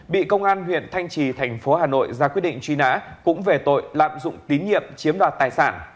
bị công an huyện thanh trì tp hcm ra quyết định truy nã cũng về tội lạm dụng tín nhiệm chiếm đoạt tài sản